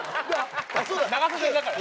長袖だから。